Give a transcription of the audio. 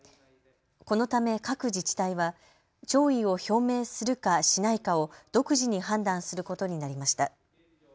このため各自治体は弔意を表明するか、しないかを独自に判断することになりました。